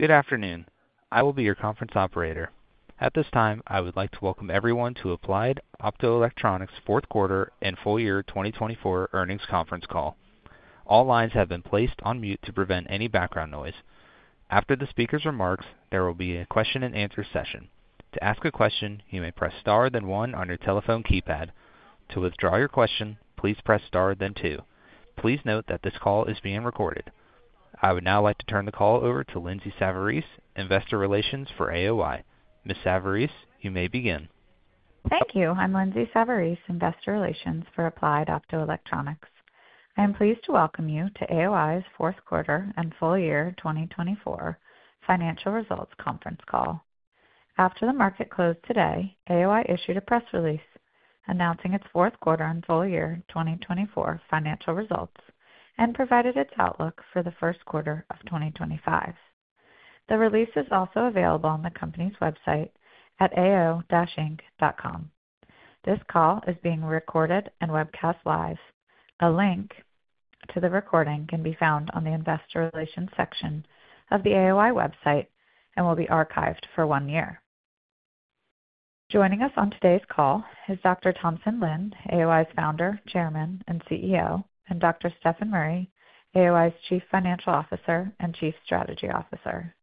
Good afternoon. I will be your conference operator. At this time, I would like to welcome everyone to Applied Optoelectronics' Fourth Quarter and Full Year 2024 Earnings Conference Call. All lines have been placed on mute to prevent any background noise. After the speaker's remarks, there will be a question-and-answer session. To ask a question, you may press star then one on your telephone keypad. To withdraw your question, please press star then two. Please note that this call is being recorded. I would now like to turn the call over to Lindsay Savarese, Investor Relations for AOI. Ms. Savarese, you may begin. Thank you. I'm Lindsay Savarese, Investor Relations for Applied Optoelectronics. I am pleased to welcome you to AOI's fourth quarter and full year 2024 financial results conference call. After the market closed today, AOI issued a press release announcing its fourth quarter and full year 2024 financial results and provided its outlook for the first quarter of 2025. The release is also available on the company's website at ao-inc.com. This call is being recorded and webcast live. A link to the recording can be found on the investor relations section of the AOI website and will be archived for one year. Joining us on today's call is Dr. Thompson Lin, AOI's Founder, Chairman, and CEO, and Dr. Stefan Murry, AOI's Chief Financial Officer and Chief Strategy Officer.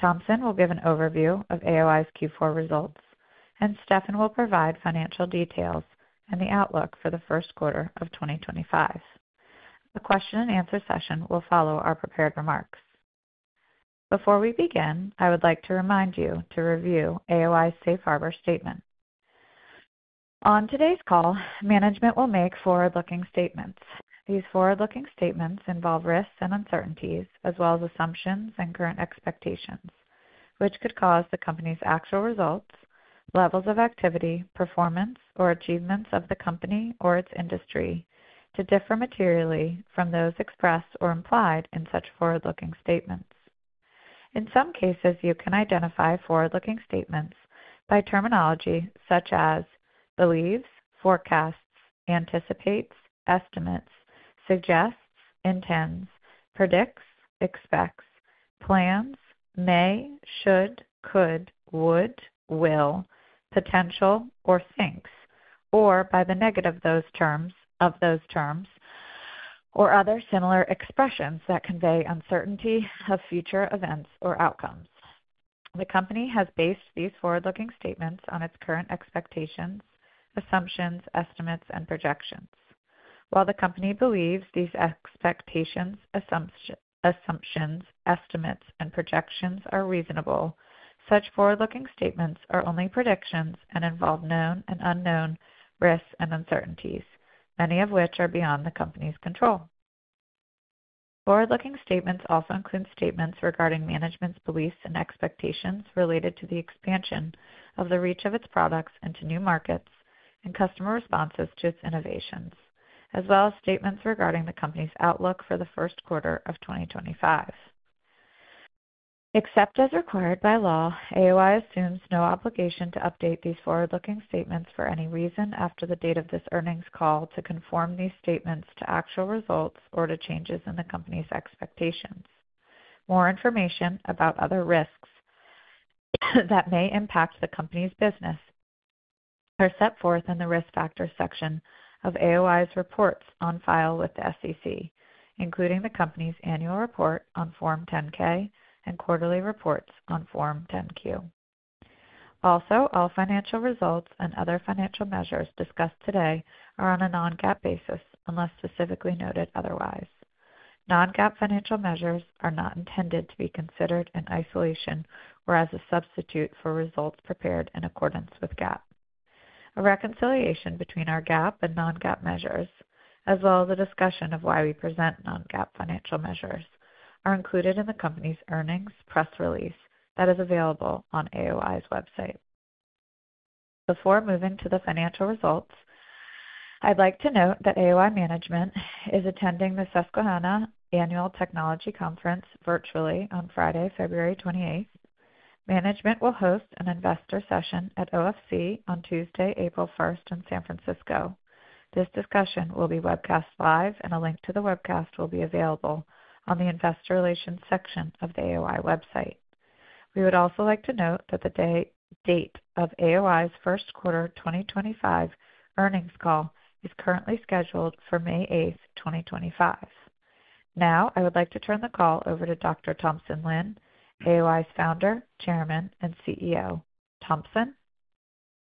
Thompson will give an overview of AOI's Q4 results, and Stefan will provide financial details and the outlook for the first quarter of 2025. A question-and-answer session will follow our prepared remarks. Before we begin, I would like to remind you to review AOI's Safe Harbor Statement. On today's call, management will make forward-looking statements. These forward-looking statements involve risks and uncertainties, as well as assumptions and current expectations, which could cause the company's actual results, levels of activity, performance, or achievements of the company or its industry to differ materially from those expressed or implied in such forward-looking statements. In some cases, you can identify forward-looking statements by terminology such as believes, forecasts, anticipates, estimates, suggests, intends, predicts, expects, plans, may, should, could, would, will, potential, or thinks, or by the negative of those terms, or other similar expressions that convey uncertainty of future events or outcomes. The company has based these forward-looking statements on its current expectations, assumptions, estimates, and projections. While the company believes these expectations, assumptions, estimates, and projections are reasonable, such forward-looking statements are only predictions and involve known and unknown risks and uncertainties, many of which are beyond the company's control. Forward-looking statements also include statements regarding management's beliefs and expectations related to the expansion of the reach of its products into new markets and customer responses to its innovations, as well as statements regarding the company's outlook for the first quarter of 2025. Except as required by law, AOI assumes no obligation to update these forward-looking statements for any reason after the date of this earnings call to conform these statements to actual results or to changes in the company's expectations. More information about other risks that may impact the company's business are set forth in the risk factor section of AOI's reports on file with the SEC, including the company's annual report on Form 10-K and quarterly reports on Form 10-Q. Also, all financial results and other financial measures discussed today are on a non-GAAP basis unless specifically noted otherwise. Non-GAAP financial measures are not intended to be considered in isolation or as a substitute for results prepared in accordance with GAAP. A reconciliation between our GAAP and non-GAAP measures, as well as a discussion of why we present non-GAAP financial measures, are included in the company's earnings press release that is available on AOI's website. Before moving to the financial results, I'd like to note that AOI management is attending the Susquehanna Annual Technology Conference virtually on Friday, February 28th. Management will host an investor session at OFC on Tuesday, April 1st in San Francisco. This discussion will be webcast live, and a link to the webcast will be available on the investor relations section of the AOI website. We would also like to note that the date of AOI's first quarter 2025 earnings call is currently scheduled for May 8th, 2025. Now, I would like to turn the call over to Dr. Thompson Lin, AOI's Founder, Chairman, and CEO. Thompson.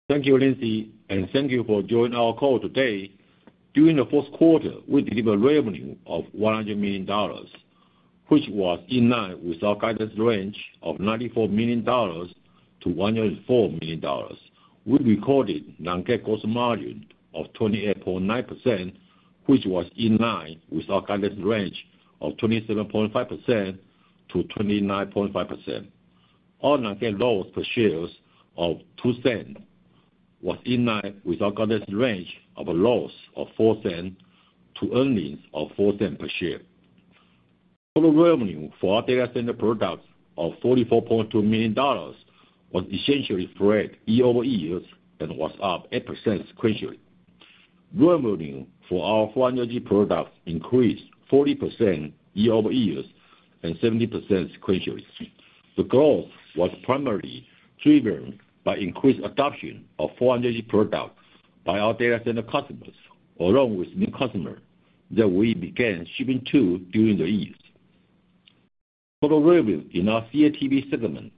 Thank you, Lindsay, and thank you for joining our call today. During the fourth quarter, we delivered revenue of $100 million, which was in line with our guidance range of $94 million-$104 million. We recorded non-GAAP gross margin of 28.9%, which was in line with our guidance range of 27.5%-29.5%. Our non-GAAP loss per share of $0.02 was in line with our guidance range of a loss of $0.04 to earnings of $0.04 per share. Total revenue for our data center products of $44.2 million was essentially spread year over year and was up 8% sequentially. Revenue for our 400G products increased 40% year over year and 70% sequentially. The growth was primarily driven by increased adoption of 400G products by our data center customers, along with new customers that we began shipping to during the year. Total revenue in our CATV segment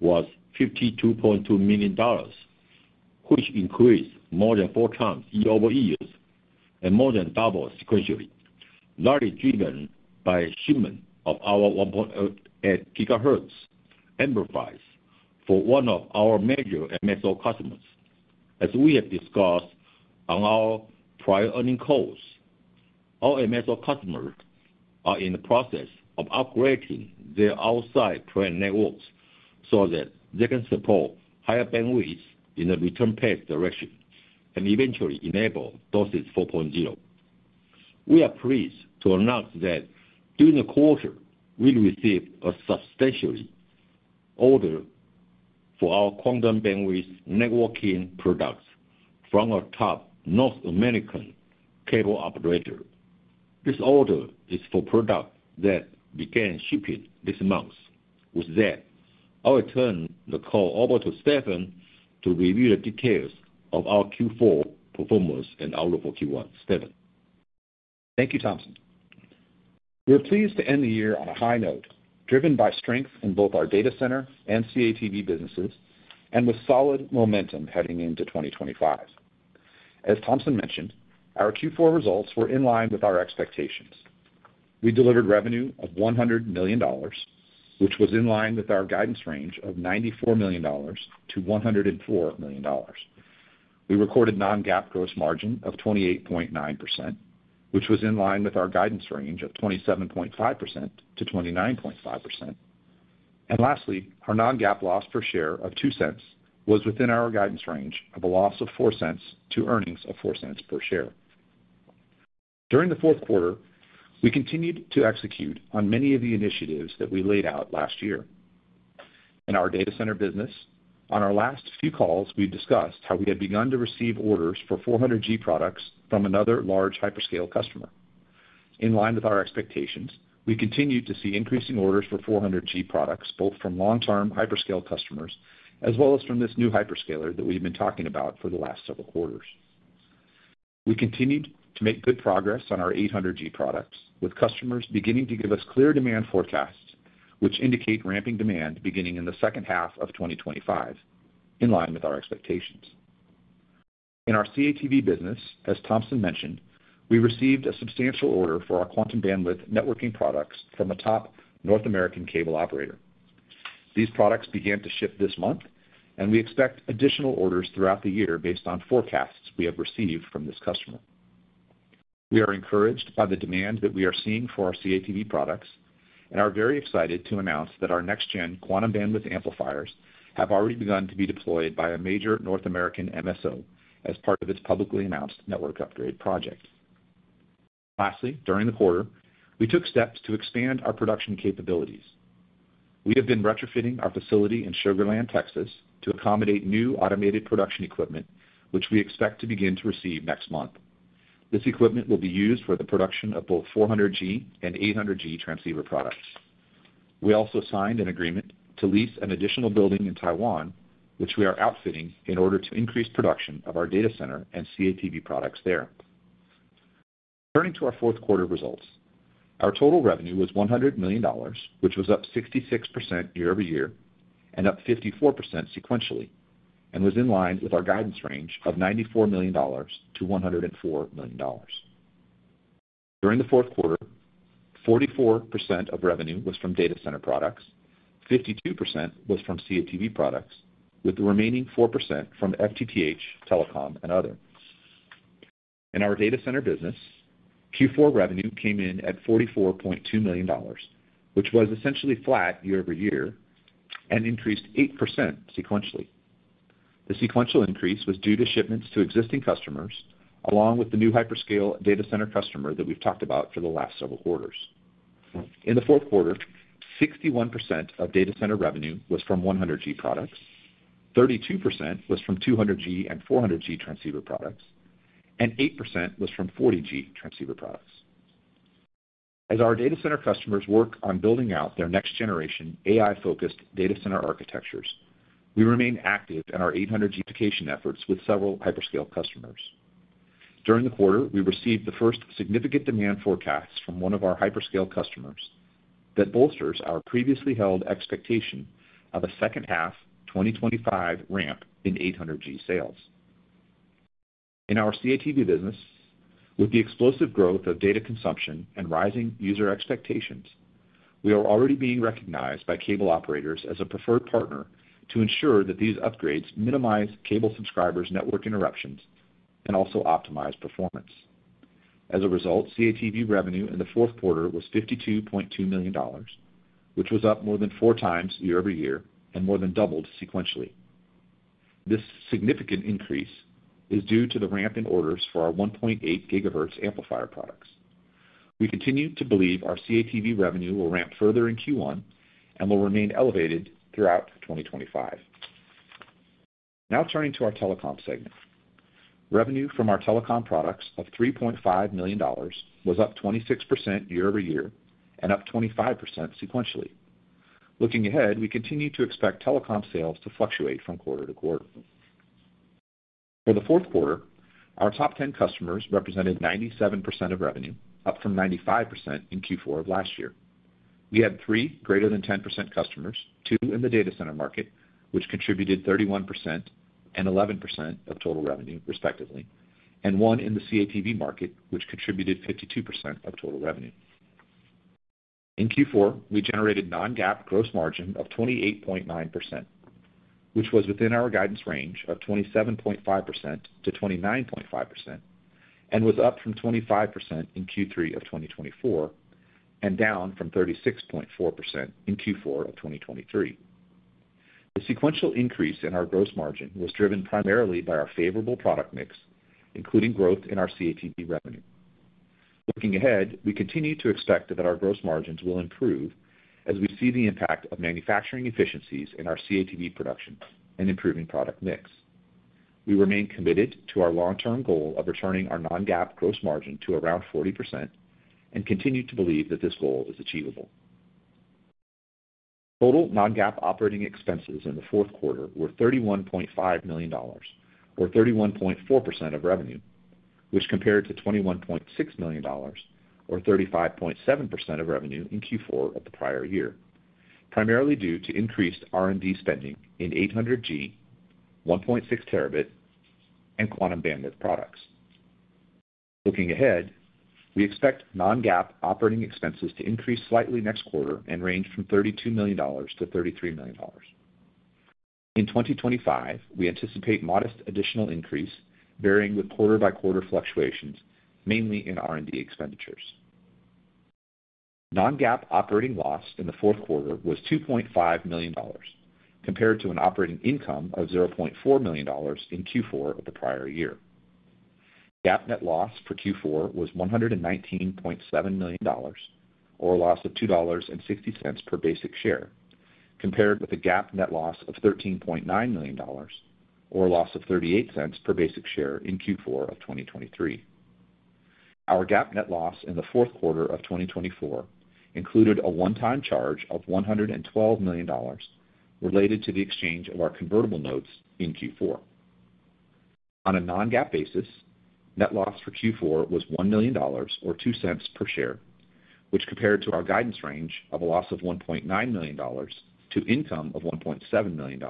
was $52.2 million, which increased more than 4x year over year and more than double sequentially, largely driven by shipment of our 1.8 GHz amplifiers for one of our major MSO customers. As we have discussed on our prior earnings calls, our MSO customers are in the process of upgrading their outside plant networks so that they can support higher bandwidth in the return path direction and eventually enable DOCSIS 4.0. We are pleased to announce that during the quarter, we received a substantial order for our Quantum Bandwidth networking products from our top North American cable operator. This order is for products that began shipping this month. With that, I will turn the call over to Stefan to review the details of our Q4 performance and outlook for Q1. Stefan. Thank you, Thompson. We're pleased to end the year on a high note, driven by strength in both our data center and CATV businesses and with solid momentum heading into 2025. As Thompson mentioned, our Q4 results were in line with our expectations. We delivered revenue of $100 million, which was in line with our guidance range of $94 million-$104 million. We recorded non-GAAP gross margin of 28.9%, which was in line with our guidance range of 27.5%-29.5%. And lastly, our non-GAAP loss per share of $0.02 was within our guidance range of a loss of $0.04 to earnings of $0.04 per share. During the fourth quarter, we continued to execute on many of the initiatives that we laid out last year. In our data center business, on our last few calls, we discussed how we had begun to receive orders for 400G products from another large hyperscale customer. In line with our expectations, we continued to see increasing orders for 400G products, both from long-term hyperscale customers as well as from this new hyperscaler that we've been talking about for the last several quarters. We continued to make good progress on our 800G products, with customers beginning to give us clear demand forecasts, which indicate ramping demand beginning in the second half of 2025, in line with our expectations. In our CATV business, as Thompson mentioned, we received a substantial order for our Quantum Bandwidth networking products from a top North American cable operator. These products began to ship this month, and we expect additional orders throughout the year based on forecasts we have received from this customer. We are encouraged by the demand that we are seeing for our CATV products, and are very excited to announce that our next-gen Quantum Bandwidth amplifiers have already begun to be deployed by a major North American MSO as part of its publicly announced network upgrade project. Lastly, during the quarter, we took steps to expand our production capabilities. We have been retrofitting our facility in Sugar Land, Texas, to accommodate new automated production equipment, which we expect to begin to receive next month. This equipment will be used for the production of both 400G and 800G transceiver products. We also signed an agreement to lease an additional building in Taiwan, which we are outfitting in order to increase production of our data center and CATV products there. Turning to our fourth quarter results, our total revenue was $100 million, which was up 66% year over year and up 54% sequentially, and was in line with our guidance range of $94 million-$104 million. During the fourth quarter, 44% of revenue was from data center products, 52% was from CATV products, with the remaining 4% from FTTH, Telecom, and other. In our data center business, Q4 revenue came in at $44.2 million, which was essentially flat year over year and increased 8% sequentially. The sequential increase was due to shipments to existing customers, along with the new hyperscale data center customer that we've talked about for the last several quarters. In the fourth quarter, 61% of data center revenue was from 100G products, 32% was from 200G and 400G transceiver products, and 8% was from 40G transceiver products. As our data center customers work on building out their next-generation AI-focused data center architectures, we remain active in our 800G application efforts with several hyperscale customers. During the quarter, we received the first significant demand forecasts from one of our hyperscale customers that bolsters our previously held expectation of a second-half 2025 ramp in 800G sales. In our CATV business, with the explosive growth of data consumption and rising user expectations, we are already being recognized by cable operators as a preferred partner to ensure that these upgrades minimize cable subscribers' network interruptions and also optimize performance. As a result, CATV revenue in the fourth quarter was $52.2 million, which was up more than 4x year over year and more than doubled sequentially. This significant increase is due to the ramp in orders for our 1.8 GHz amplifier products. We continue to believe our CATV revenue will ramp further in Q1 and will remain elevated throughout 2025. Now turning to our Telecom segment, revenue from our Telecom products of $3.5 million was up 26% year over year and up 25% sequentially. Looking ahead, we continue to expect Telecom sales to fluctuate from quarter to quarter. For the fourth quarter, our top 10 customers represented 97% of revenue, up from 95% in Q4 of last year. We had three greater than 10% customers, two in the data center market, which contributed 31% and 11% of total revenue, respectively, and one in the CATV market, which contributed 52% of total revenue. In Q4, we generated non-GAAP gross margin of 28.9%, which was within our guidance range of 27.5%-29.5% and was up from 25% in Q3 of 2024 and down from 36.4% in Q4 of 2023. The sequential increase in our gross margin was driven primarily by our favorable product mix, including growth in our CATV revenue. Looking ahead, we continue to expect that our gross margins will improve as we see the impact of manufacturing efficiencies in our CATV production and improving product mix. We remain committed to our long-term goal of returning our non-GAAP gross margin to around 40% and continue to believe that this goal is achievable. Total non-GAAP operating expenses in the fourth quarter were $31.5 million, or 31.4% of revenue, which compared to $21.6 million, or 35.7% of revenue in Q4 of the prior year, primarily due to increased R and D spending in 800G, 1.6 Tb, and Quantum Bandwidth products. Looking ahead, we expect non-GAAP operating expenses to increase slightly next quarter and range from $32 million to $33 million. In 2025, we anticipate modest additional increase varying with quarter-by-quarter fluctuations, mainly in R and D expenditures. Non-GAAP operating loss in the fourth quarter was $2.5 million, compared to an operating income of $0.4 million in Q4 of the prior year. GAAP net loss for Q4 was $119.7 million, or a loss of $2.60 per basic share, compared with a GAAP net loss of $13.9 million, or a loss of $0.38 per basic share in Q4 of 2023. Our GAAP net loss in the fourth quarter of 2024 included a one-time charge of $112 million related to the exchange of our convertible notes in Q4. On a non-GAAP basis, net loss for Q4 was $1 million, or $0.02 per share, which compared to our guidance range of a loss of $1.9 million to income of $1.7 million,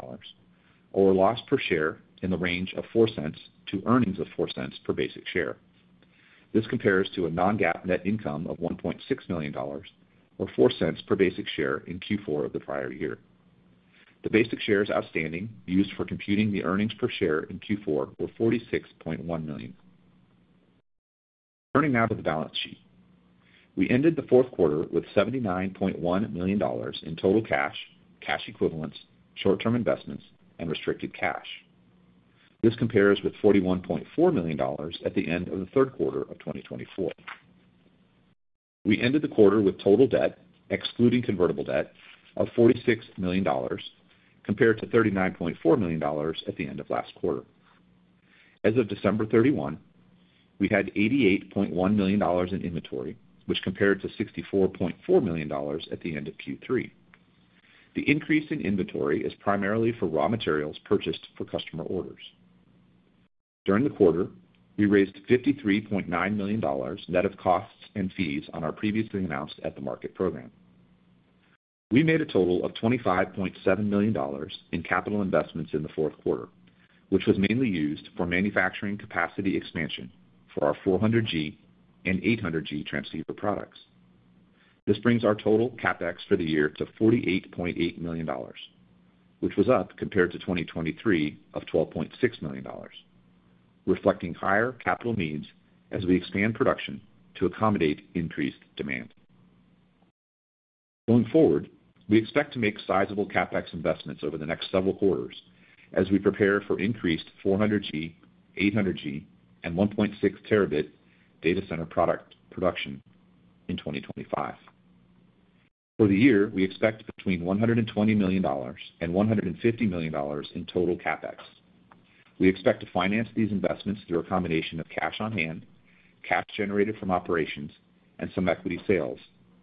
or a loss per share in the range of $0.04 to earnings of $0.04 per basic share. This compares to a non-GAAP net income of $1.6 million, or $0.04 per basic share in Q4 of the prior year. The basic shares outstanding used for computing the earnings per share in Q4 were 46.1 million. Turning now to the balance sheet, we ended the fourth quarter with $79.1 million in total cash, cash equivalents, short-term investments, and restricted cash. This compares with $41.4 million at the end of the third quarter of 2024. We ended the quarter with total debt, excluding convertible debt, of $46 million, compared to $39.4 million at the end of last quarter. As of December 31, we had $88.1 million in inventory, which compared to $64.4 million at the end of Q3. The increase in inventory is primarily for raw materials purchased for customer orders. During the quarter, we raised $53.9 million net of costs and fees on our previously announced at-the-market program. We made a total of $25.7 million in capital investments in the fourth quarter, which was mainly used for manufacturing capacity expansion for our 400G and 800G transceiver products. This brings our total CapEx for the year to $48.8 million, which was up compared to 2023 of $12.6 million, reflecting higher capital needs as we expand production to accommodate increased demand. Going forward, we expect to make sizable CapEx investments over the next several quarters as we prepare for increased 400G, 800G, and 1.6 Tb data center product production in 2025. For the year, we expect between $120 million and $150 million in total CapEx. We expect to finance these investments through a combination of cash on hand, cash generated from operations, and some equity sales,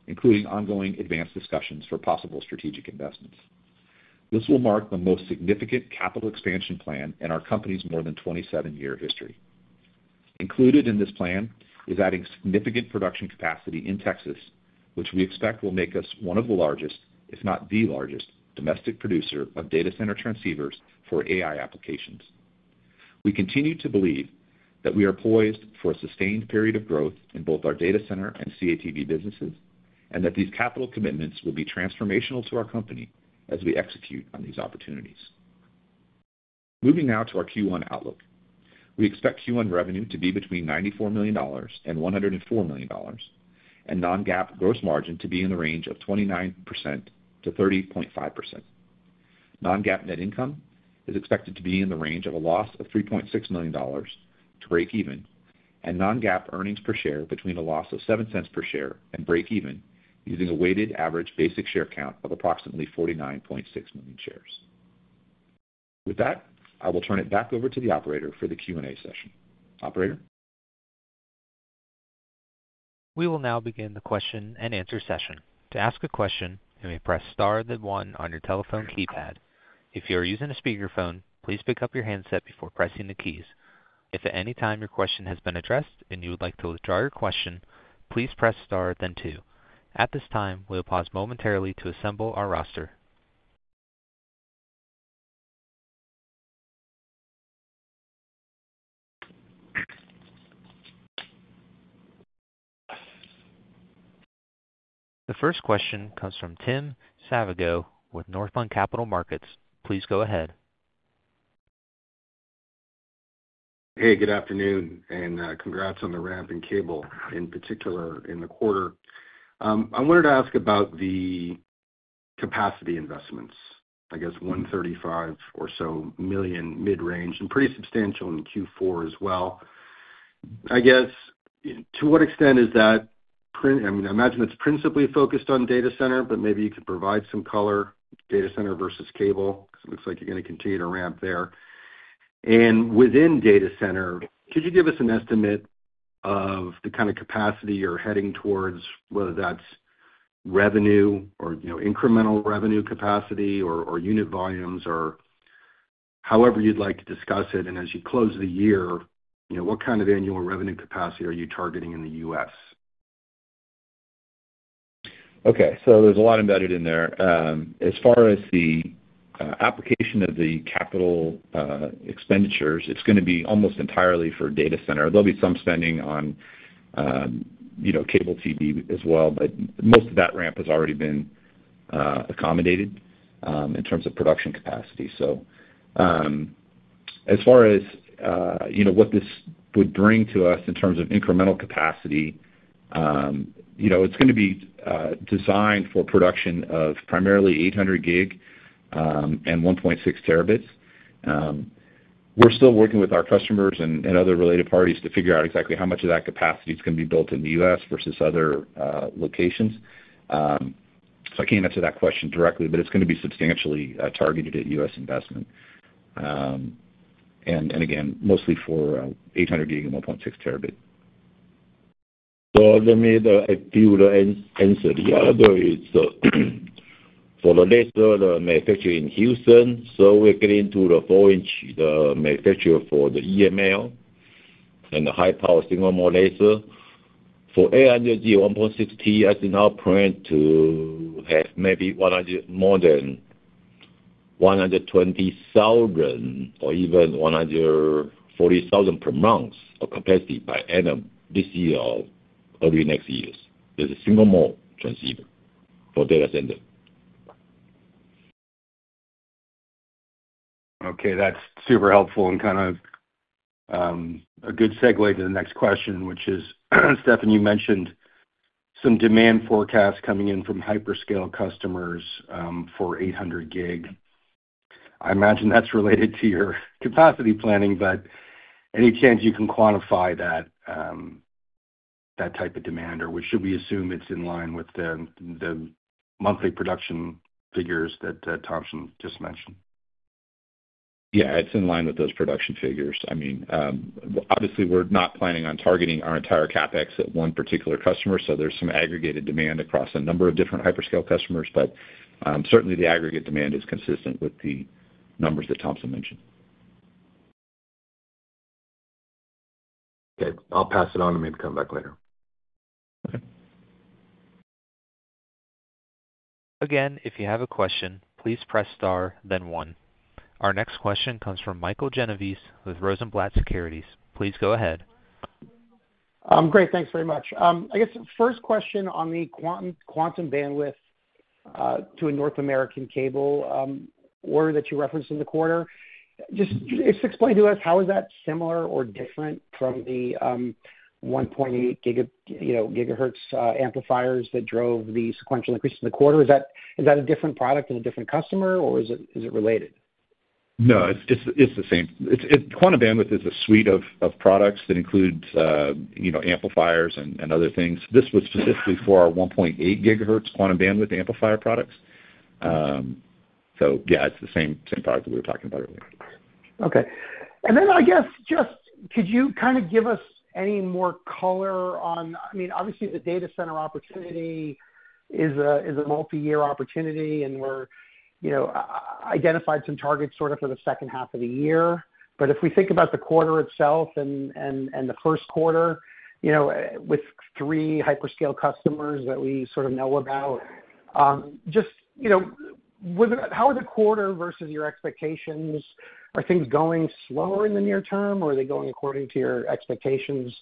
including ongoing advanced discussions for possible strategic investments. This will mark the most significant capital expansion plan in our company's more than 27-year history. Included in this plan is adding significant production capacity in Texas, which we expect will make us one of the largest, if not the largest, domestic producer of data center transceivers for AI applications. We continue to believe that we are poised for a sustained period of growth in both our data center and CATV businesses, and that these capital commitments will be transformational to our company as we execute on these opportunities. Moving now to our Q1 outlook, we expect Q1 revenue to be between $94 million and $104 million, and non-GAAP gross margin to be in the range of 29%-30.5%. Non-GAAP net income is expected to be in the range of a loss of $3.6 million to break even, and non-GAAP earnings per share between a loss of $0.07 per share and break even using a weighted average basic share count of approximately 49.6 million shares. With that, I will turn it back over to the operator for the Q and A session. Operator. We will now begin the question and answer session. To ask a question, you may press star then one on your telephone keypad. If you are using a speakerphone, please pick up your handset before pressing the keys. If at any time your question has been addressed and you would like to withdraw your question, please press star then two. At this time, we'll pause momentarily to assemble our roster. The first question comes from Tim Savageaux with Northland Capital Markets. Please go ahead. Hey, good afternoon, and congrats on the ramp in cable, in particular in the quarter. I wanted to ask about the capacity investments, I guess $135 million or so mid-year and pretty substantial in Q4 as well. I guess to what extent is that? I mean, I imagine it's principally focused on data center, but maybe you could provide some color data center versus cable because it looks like you're going to continue to ramp there. And within data center, could you give us an estimate of the kind of capacity you're heading towards, whether that's revenue or incremental revenue capacity or unit volumes or however you'd like to discuss it? And as you close the year, what kind of annual revenue capacity are you targeting in the U.S.? Okay. So there's a lot embedded in there. As far as the application of the capital expenditures, it's going to be almost entirely for data center. There'll be some spending on cable TV as well, but most of that ramp has already been accommodated in terms of production capacity. So as far as what this would bring to us in terms of incremental capacity, it's going to be designed for production of primarily 800G and 1.6 Tb. We're still working with our customers and other related parties to figure out exactly how much of that capacity is going to be built in the U.S. versus other locations. So I can't answer that question directly, but it's going to be substantially targeted at U.S. investment. And again, mostly for 800G and 1.6 Tb. So let me give you the answer. The other is for the laser manufacturer in Houston. So we're getting to the 4-in manufacturer for the EML and the high-power single-mode laser. For 800G, 1.6T is now planned to have maybe more than 120,000 or even 140,000 per month of capacity by end of this year or early next year as a single-mode transceiver for data center. Okay. That's super helpful and kind of a good segue to the next question, which is, Stefan, you mentioned some demand forecasts coming in from hyperscale customers for 800G. I imagine that's related to your capacity planning, but any chance you can quantify that type of demand, or should we assume it's in line with the monthly production figures that Thompson just mentioned? Yeah, it's in line with those production figures. I mean, obviously, we're not planning on targeting our entire CapEx at one particular customer, so there's some aggregated demand across a number of different hyperscale customers, but certainly the aggregate demand is consistent with the numbers that Thompson mentioned. Okay. I'll pass it on to come back later. Okay. Again, if you have a question, please press star then one. Our next question comes from Michael Genovese with Rosenblatt Securities. Please go ahead. I'm great. Thanks very much. I guess first question on the Quantum Bandwidth to a North American cable order that you referenced in the quarter. Just explain to us, how is that similar or different from the 1.8 GHz amplifiers that drove the sequential increase in the quarter? Is that a different product and a different customer, or is it related? No, it's the same. Quantum Bandwidth is a suite of products that includes amplifiers and other things. This was specifically for our 1.8 GHz Quantum Bandwidth amplifier products. So yeah, it's the same product that we were talking about earlier. Okay. And then I guess just could you kind of give us any more color on, I mean, obviously, the data center opportunity is a multi-year opportunity, and we've identified some targets sort of for the second half of the year. But if we think about the quarter itself and the first quarter with three hyperscale customers that we sort of know about, just how is the quarter versus your expectations? Are things going slower in the near term, or are they going according to your expectations?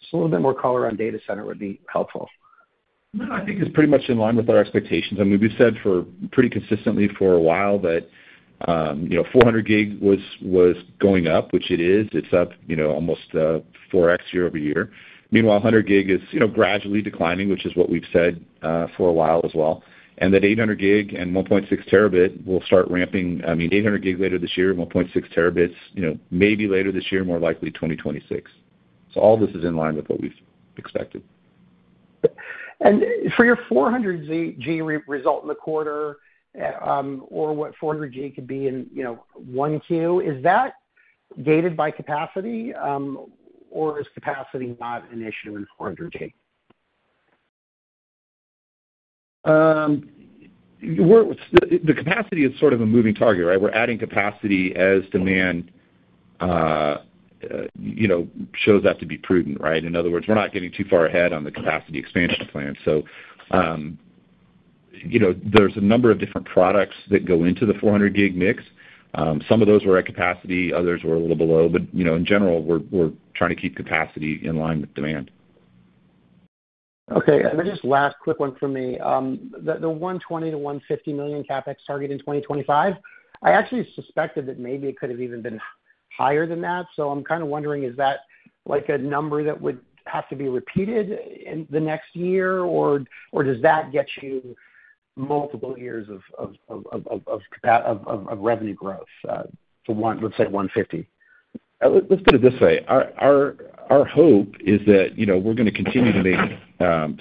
Just a little bit more color on data center would be helpful. I think it's pretty much in line with our expectations. I mean, we've said pretty consistently for a while that 400G was going up, which it is. It's up almost 4x year over year. Meanwhile, 100G is gradually declining, which is what we've said for a while as well. And that 800G and 1.6 Tb will start ramping. I mean, 800G later this year, 1.6 Tb maybe later this year, more likely 2026. So all this is in line with what we've expected. For your 400G result in the quarter, or what 400G could be in 1Q, is that gated by capacity, or is capacity not an issue in 400G? The capacity is sort of a moving target, right? We're adding capacity as demand shows up to be prudent, right? In other words, we're not getting too far ahead on the capacity expansion plan. So there's a number of different products that go into the 400G mix. Some of those were at capacity, others were a little below. But in general, we're trying to keep capacity in line with demand. Okay. And then just last quick one for me. The $120 million-$150 million CapEx target in 2025, I actually suspected that maybe it could have even been higher than that. I'm kind of wondering, is that a number that would have to be repeated in the next year, or does that get you multiple years of revenue growth to, let's say, $150 million? Let's put it this way. Our hope is that we're going to continue to make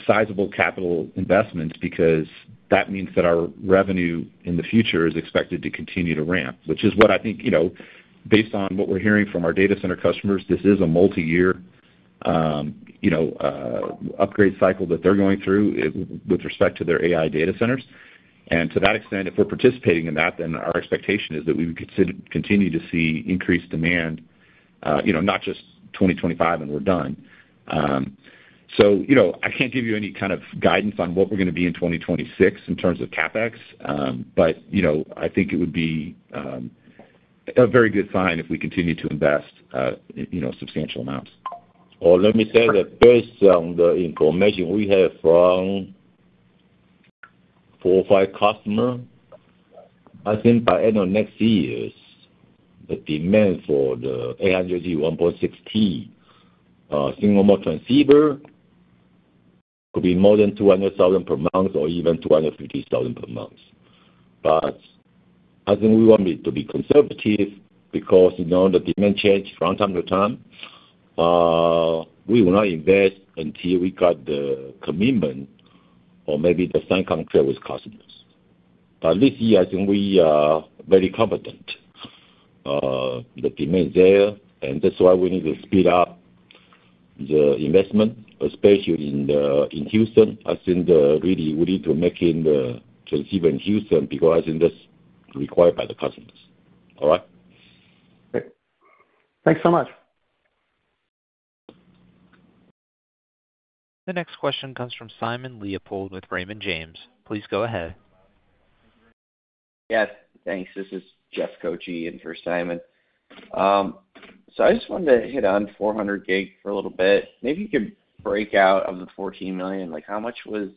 sizable capital investments because that means that our revenue in the future is expected to continue to ramp, which is what I think based on what we're hearing from our data center customers. This is a multi-year upgrade cycle that they're going through with respect to their AI data centers. To that extent, if we're participating in that, then our expectation is that we would continue to see increased demand, not just 2025 and we're done. I can't give you any kind of guidance on what we're going to be in 2026 in terms of CapEx, but I think it would be a very good sign if we continue to invest substantial amounts. Let me say that based on the information we have from four or five customers, I think by end of next year, the demand for the 800G 1.6T single-mode transceiver could be more than 200,000 per month or even 250,000 per month. But I think we want to be conservative because the demand changes from time to time. We will not invest until we got the commitment or maybe the sign contract with customers. But this year, I think we are very confident. The demand is there, and that's why we need to speed up the investment, especially in Houston. I think really we need to make it the transceiver in Houston because I think that's required by the customers. All right? Okay. Thanks so much. The next question comes from Simon Leopold with Raymond James. Please go ahead. Yes. Thanks. This is Jeff Koche in for Simon. So I just wanted to hit on 400G for a little bit. Maybe you could break out of the $14 million. How much was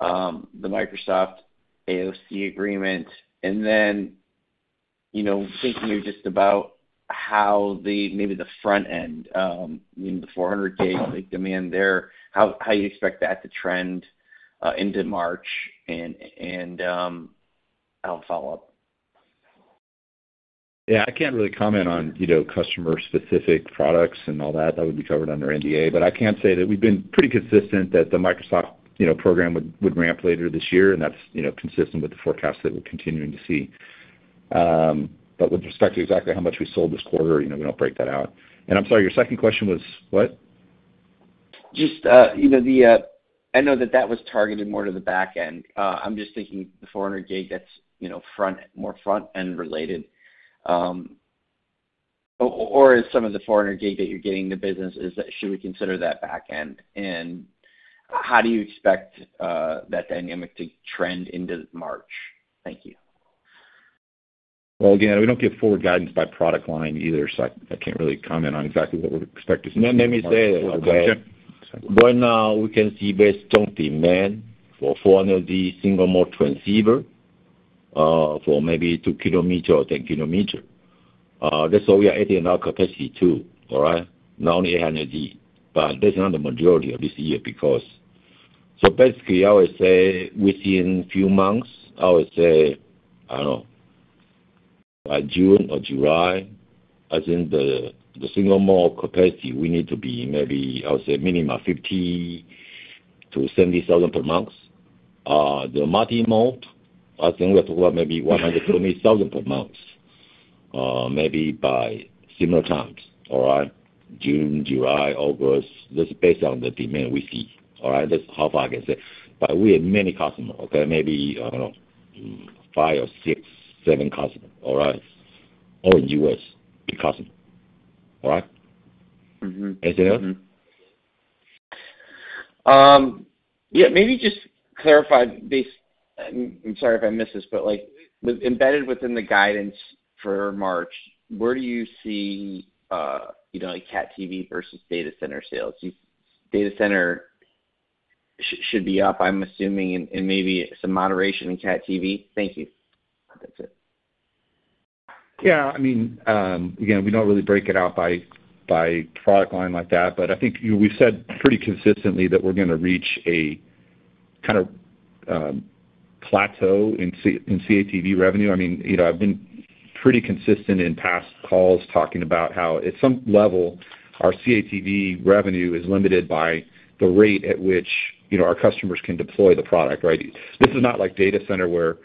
the Microsoft AOC agreement? And then thinking just about how maybe the front end, the 400G demand there, how you expect that to trend into March, and I'll follow up. Yeah. I can't really comment on customer-specific products and all that. That would be covered under NDA, but I can say that we've been pretty consistent that the Microsoft program would ramp later this year, and that's consistent with the forecast that we're continuing to see. But with respect to exactly how much we sold this quarter, we don't break that out. And I'm sorry, your second question was what? Just, I know that that was targeted more to the back end. I'm just thinking the 400G that's more front-end related. Or is some of the 400G that you're getting into business, should we consider that back end? And how do you expect that dynamic to trend into March? Thank you. Well, again, we don't give forward guidance by product line either, so I can't really comment on exactly what we're expecting. Let me say that when we can see based on demand for 400G single-mode transceiver for maybe 2 km or 10 km, that's what we are adding in our capacity too, all right? Not only 800G, but that's not the majority of this year because so basically, I would say within a few months, I would say, I don't know, by June or July, I think the single-mode capacity we need to be maybe, I would say, minimum 50,000-70,000 per month. The multi-mode, I think we're talking about maybe 120,000 per month, maybe by similar times, all right? June, July, August. That's based on the demand we see, all right? That's how far I can say. But we have many customers, okay? Maybe, I don't know, five or six, seven customers, all right? All in the U.S., big customers, all right? Anything else? Yeah. Maybe just clarify based, I'm sorry if I missed this, but embedded within the guidance for March, where do you see CATV versus data center sales? data center should be up, I'm assuming, and maybe some moderation in CATV. Thank you. That's it. Yeah. I mean, again, we don't really break it out by product line like that, but I think we've said pretty consistently that we're going to reach a kind of plateau in CATV revenue. I mean, I've been pretty consistent in past calls talking about how at some level, our CATV revenue is limited by the rate at which our customers can deploy the product, right? This is not like data center where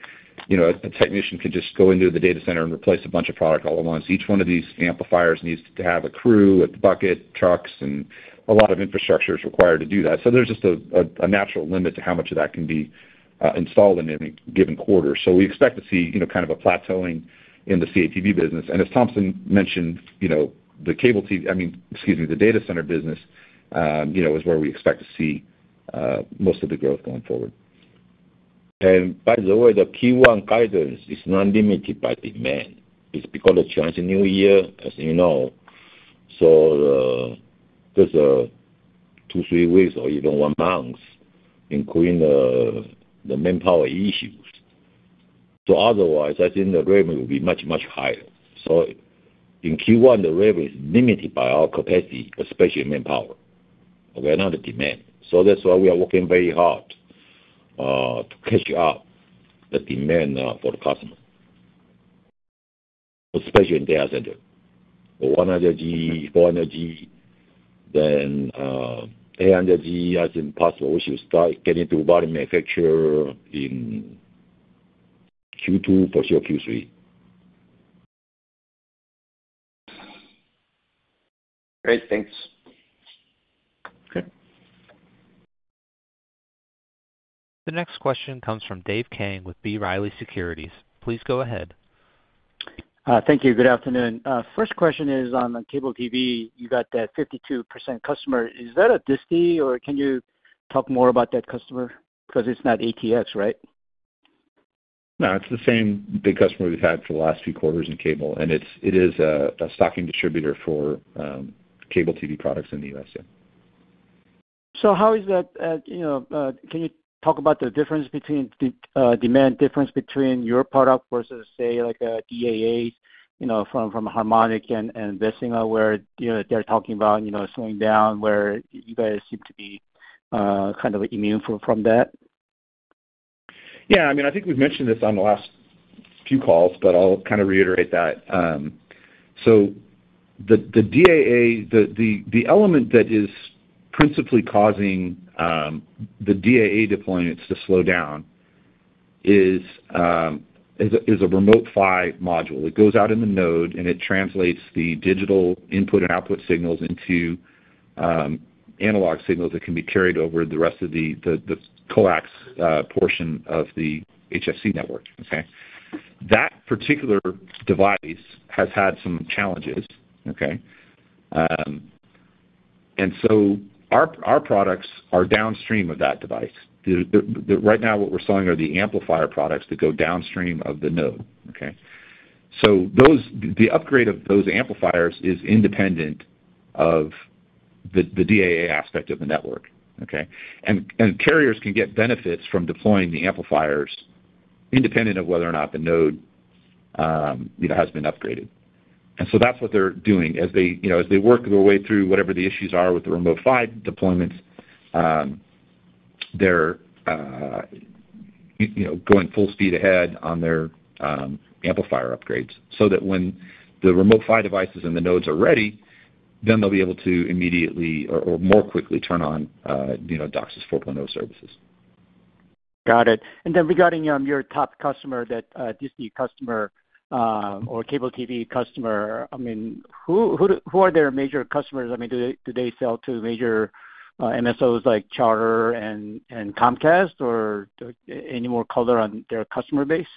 a technician can just go into the data center and replace a bunch of product all at once. Each one of these amplifiers needs to have a crew, a bucket, trucks, and a lot of infrastructure is required to do that. So there's just a natural limit to how much of that can be installed in any given quarter. So we expect to see kind of a plateauing in the CATV business. And as Thompson mentioned, the cable TV, I mean, excuse me, the data center business is where we expect to see most of the growth going forward. And by the way, the Q1 guidance is not limited by demand. It's because it's Chinese New Year, as you know. So there's two, three weeks or even one month, including the manpower issues. So otherwise, I think the revenue will be much, much higher. So in Q1, the revenue is limited by our capacity, especially manpower, okay? Not the demand. So that's why we are working very hard to catch up the demand for the customer, especially in data center. For 100G, 400G, then 800G, I think possible we should start getting to volume manufacture in Q2 for sure, Q3. Great. Thanks. Okay. The next question comes from Dave Kang with B. Riley Securities. Please go ahead. Thank you. Good afternoon. First question is on cable TV. You got that 52% customer. Is that a DC, or can you talk more about that customer? Because it's not ATX, right? No, it's the same big customer we've had for the last few quarters in cable. And it is a stocking distributor for cable TV products in the U.S., yeah. So how is that? Can you talk about the difference between demand difference between your product versus, say, like DAAs from Harmonic and Vecima, where they're talking about slowing down, where you guys seem to be kind of immune from that? Yeah. I mean, I think we've mentioned this on the last few calls, but I'll kind of reiterate that. So the DAA, the element that is principally causing the DAA deployments to slow down is a Remote PHY module. It goes out in the node, and it translates the digital input and output signals into analog signals that can be carried over the rest of the coax portion of the HFC network, okay? That particular device has had some challenges, okay? And so our products are downstream of that device. Right now, what we're selling are the amplifier products that go downstream of the node, okay? So the upgrade of those amplifiers is independent of the DAA aspect of the network, okay? And carriers can get benefits from deploying the amplifiers independent of whether or not the node has been upgraded. And so that's what they're doing. As they work their way through whatever the issues are with the Remote PHY deployments, they're going full speed ahead on their amplifier upgrades so that when the Remote PHY devices and the nodes are ready, then they'll be able to immediately or more quickly turn on DOCSIS 4.0 services. Got it. And then regarding your top customer, that DC customer or cable TV customer, I mean, who are their major customers? I mean, do they sell to major MSOs like Charter and Comcast, or any more color on their customer base?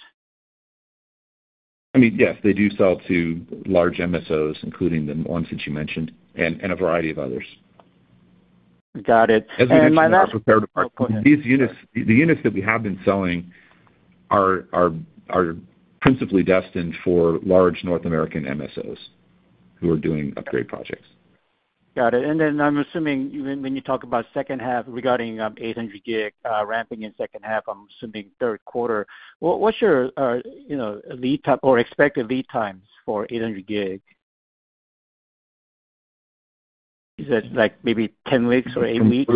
I mean, yes, they do sell to large MSOs, including the ones that you mentioned, and a variety of others. Got it. And my last question. The units that we have been selling are principally destined for large North American MSOs who are doing upgrade projects. Got it. And then I'm assuming when you talk about second half regarding 800G ramping in second half, I'm assuming third quarter. What's your lead time or expected lead times for 800G? Is that like maybe 10 weeks or eight weeks?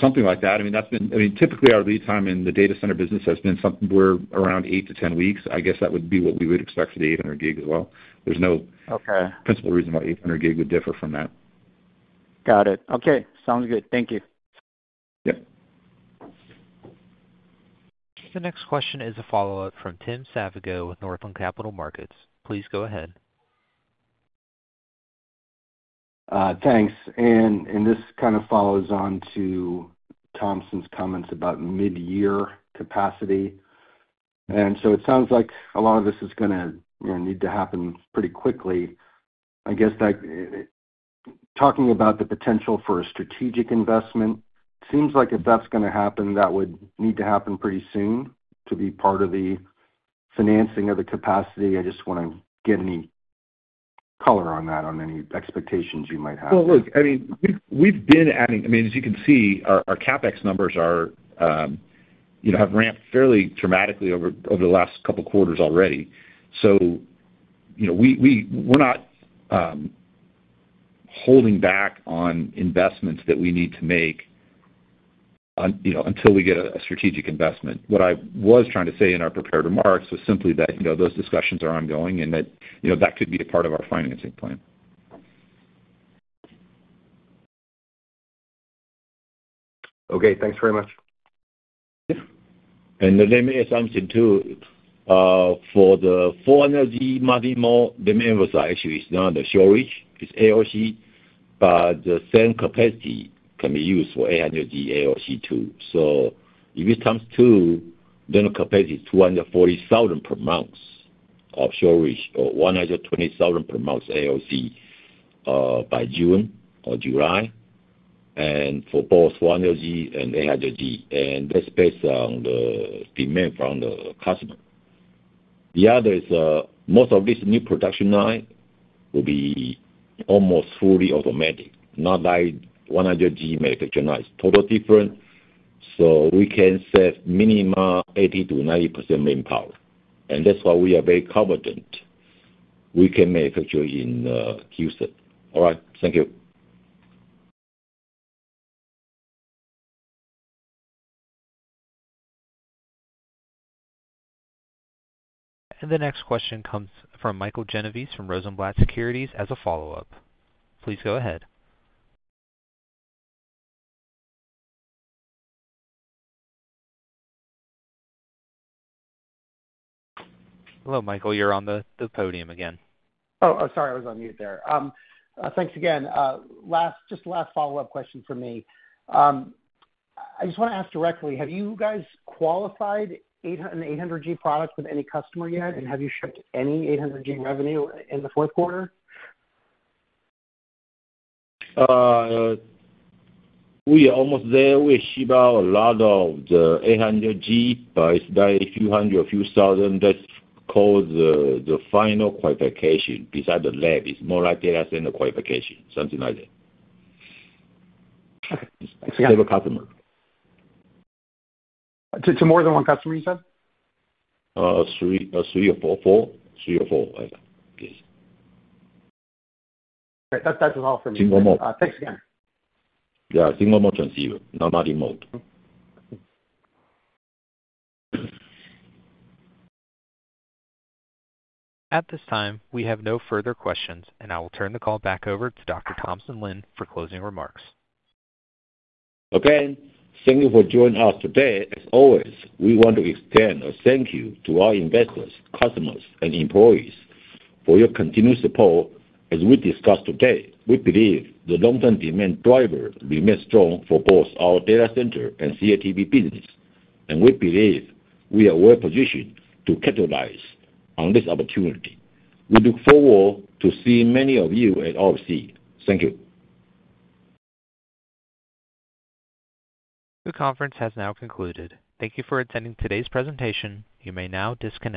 Something like that. I mean, typically, our lead time in the data center business has been something where around eight to 10 weeks. I guess that would be what we would expect for the 800G as well. There's no principal reason why 800G would differ from that. Got it. Okay. Sounds good. Thank you. Yep. The next question is a follow-up from Tim Savageaux with Northland Capital Markets. Please go ahead. Thanks. And this kind of follows on to Thompson's comments about mid-year capacity. And so it sounds like a lot of this is going to need to happen pretty quickly. I guess talking about the potential for a strategic investment, it seems like if that's going to happen, that would need to happen pretty soon to be part of the financing of the capacity. I just want to get any color on that, on any expectations you might have. Well, look, I mean, we've been adding I mean, as you can see, our CapEx numbers have ramped fairly dramatically over the last couple of quarters already. So we're not holding back on investments that we need to make until we get a strategic investment. What I was trying to say in our prepared remarks was simply that those discussions are ongoing and that that could be a part of our financing plan. Okay. Thanks very much. And the name is something too. For the 400G, multi-mode, the name was actually it's not the short reach. It's AOC, but the same capacity can be used for 800G AOC too. So if it comes to that, then the capacity is 240,000 per month of short reach or 120,000 per month AOC by June or July and for both 400G and 800G. And that's based on the demand from the customer. The other is most of this new production line will be almost fully automatic, not like 100G manufacturing lines. Totally different. So we can save minimum 80%-90% manpower. And that's why we are very confident. We can manufacture in Houston. All right. Thank you. And the next question comes from Michael Genovese from Rosenblatt Securities as a follow-up. Please go ahead. Hello, Michael. You're on the podium again. Oh, sorry. I was on mute there. Thanks again. Just last follow-up question for me. I just want to ask directly, have you guys qualified an 800G product with any customer yet, and have you shipped any 800G revenue in the fourth quarter? We are almost there with Charter, a lot of the 800G, but it's by a few hundred, a few thousand. That's called the final qualification besides the lab. It's more like data center qualification, something like that. Okay. Thanks. Single customer. To more than one customer, you said? Three or four. Four. Three or four. Yes. Okay. That's all from me. Single mode. Thanks again. Yeah. Single mode transceiver. Not multimode. At this time, we have no further questions, and I will turn the call back over to Dr. Thompson Lin for closing remarks. Again, thank you for joining us today. As always, we want to extend a thank you to our investors, customers, and employees for your continued support. As we discussed today, we believe the long-term demand driver remains strong for both our data center and CATV business, and we believe we are well-positioned to capitalize on this opportunity. We look forward to seeing many of you at OFC. Thank you. The conference has now concluded. Thank you for attending today's presentation. You may now disconnect.